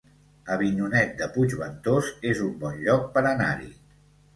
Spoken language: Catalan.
Avinyonet de Puigventós es un bon lloc per anar-hi